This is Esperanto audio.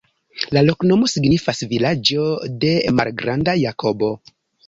La loknomo signifas: vilaĝo de malgranda Jakobo.